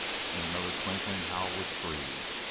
In another twinkling Hal was free.